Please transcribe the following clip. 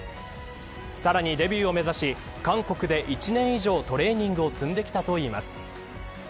さらにデビューを目指し韓国で１年以上トレーニングを積んできたといいます。